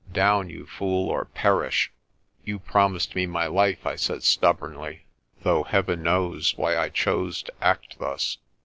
Down, you fool, or perish!" "You promised me my life," I said stubbornly, though Heaven knows why I chose to act thus.